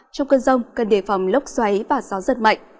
trong cơn rông cần đề phòng lốc xoáy và gió giật mạnh